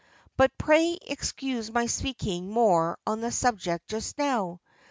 But pray excuse my speaking more on this subject just now.